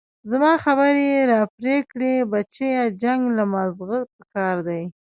زما خبرې يې راپرې كړې بچيه جنګ له مازغه پكار دي.